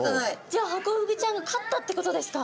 じゃあハコフグちゃんが勝ったってことですか？